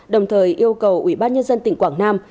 đồng thời yêu cầu ủy ban nhân dân tỉnh quảng nam